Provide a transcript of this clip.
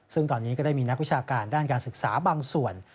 ซึ่งตอนนี้ก็ได้มีนักวิชาการด้านการศึกษาบางส่วน